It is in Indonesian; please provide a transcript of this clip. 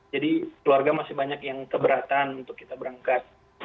jadi keluarga masih banyak yang keberatan untuk kita berangkat